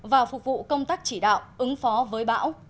và phục vụ công tác chỉ đạo ứng phó với bão